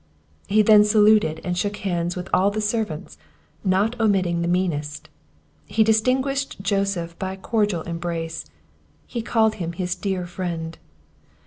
He then saluted and shook hands with all the servants, not omitting the meanest; he distinguished Joseph by a cordial embrace; he called him his dear friend.